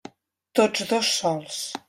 Tots dos sols.